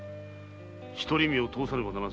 独り身をとおさねばならん。